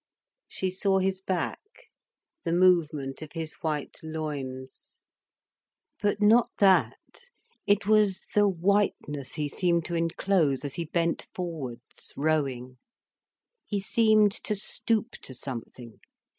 She saw his back, the movement of his white loins. But not that—it was the whiteness he seemed to enclose as he bent forwards, rowing. He seemed to stoop to something.